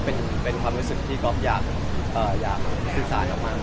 เพลงก็เป็นความรู้สึกที่ก็อยากศึกษามาก